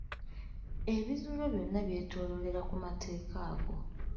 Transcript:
Ebizuulo byonna byetooloolera ku mateeka ago.